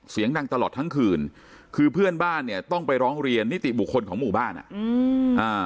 เสียงดังตลอดทั้งคืนคือเพื่อนบ้านเนี่ยต้องไปร้องเรียนนิติบุคคลของหมู่บ้านอ่ะอืมอ่า